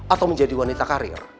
atau menjadi wanita karir